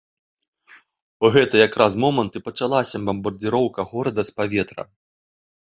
У гэты якраз момант і пачалася бамбардзіроўка горада з паветра.